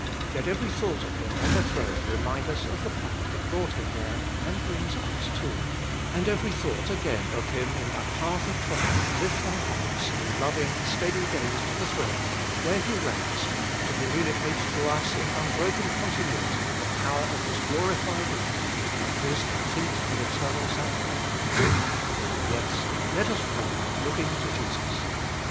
Let every thought of Him on the throne remind us of the path that brought Him there and brings us too ; and every thought again of Him in that path of trial lift our hearts in loving, steady gaze to the throne, where He reigns, to communicate to us, in unbroken continuity, the power of His glorified life, His complete and eternal salvation. Yes, let us run, looking to Jesus.